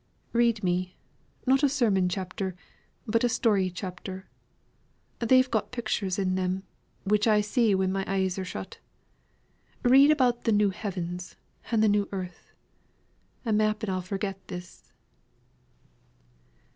Read me not a sermon chapter, but a story chapter; they've pictures in them, which I see when my eyes are shut. Read about the New Heavens, and the New Earth; and m'appen I'll forget this."